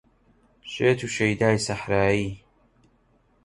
شێت و شەیدای سەحرایی